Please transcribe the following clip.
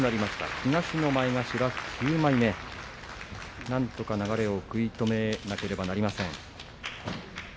東の前頭９枚目なんとか流れを食い止めなければなりません。